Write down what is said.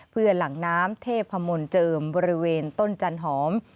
เพื่อหลังน้ำเทพมนต์เจิมบริเวณต้นจันหอม